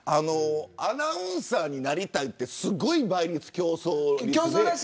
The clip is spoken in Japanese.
アナウンサーになりたいってすごい倍率、競争。